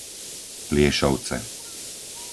Pliešovce